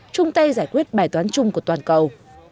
chung tay giải quyết bài toán chung của toàn cầu